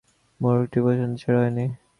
মোড়কটি পর্যন্ত ছেড়া হয় নি।